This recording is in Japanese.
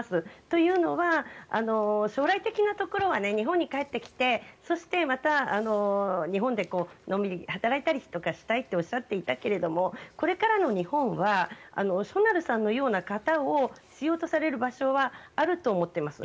というのは、将来的なところは日本に帰ってきてそしてまた日本でのんびり働いたりしたいとおっしゃっていたけどもこれからの日本はしょなるさんのような方を必要とされる場所はあると思っています。